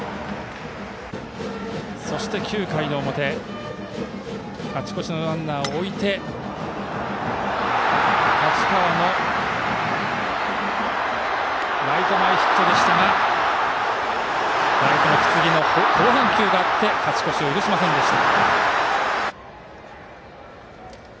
そして９回の表勝ち越しのランナーを置いて太刀川のライト前ヒットでしたがライトの木次の好返球があって勝ち越しを許しませんでした。